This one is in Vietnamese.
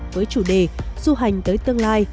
với chủ đề du hành tới tương lai